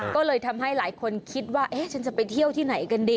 ก็เลยทำให้หลายคนคิดว่าฉันจะไปเที่ยวที่ไหนกันดี